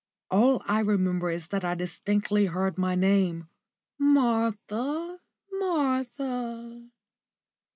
All I remember is that I distinctly heard my name, "Martha, Martha!"